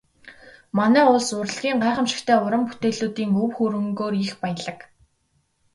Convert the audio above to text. Манай улс урлагийн гайхамшигтай уран бүтээлүүдийн өв хөрөнгөөрөө их баялаг.